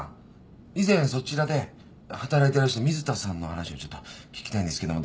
以前そちらで働いていらした水田さんの話をちょっと聞きたいんですけども。